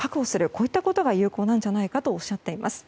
こういったことが有効なんじゃないかとおっしゃっています。